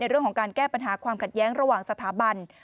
เรื่องของการแก้ปัญหาความขัดแย้งระหว่างสถาบัน